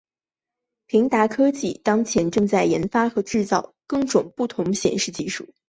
平达科技当前正在研发与制造更种不同的显示技术。